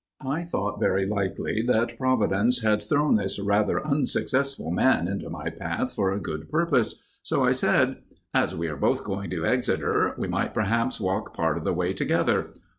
I thought very likely that Providence had thrown this rather unsuccessful man into my path for a good purpose; so I said— "As we are both going to Exeter, we might perhaps walk part of the way together.